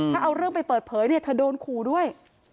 ถ้าเอาเรื่องไปเปิดเผยเนี่ยเธอโดนขู่ด้วย